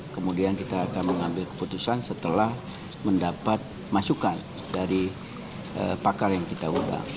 kemudian kita akan mengambil keputusan setelah mendapat masukan dari pakar yang kita ubah